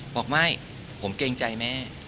บอกไม่ผมเกรงใจแม่